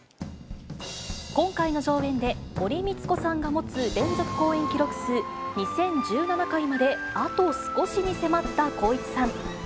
今回の上演で森光子さんが持つ連続公演記録数２０１７回まで、あと少しに迫った光一さん。